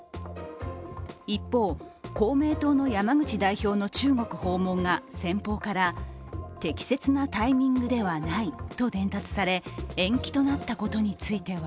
一方、公明党の山口代表の中国訪問が先方から適切なタイミングではないと伝達され延期となったことについては